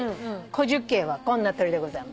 コジュケイはこんな鳥でございます。